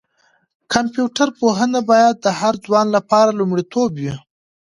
کمپيوټر پوهنه باید د هر ځوان لپاره لومړیتوب وي.